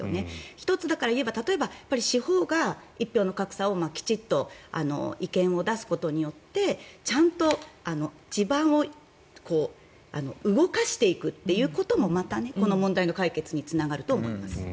１つ言えば例えば司法が一票の格差をきちんと違憲を出すことによってちゃんと地盤を動かしていくということもまたこの問題の解決につながると思います。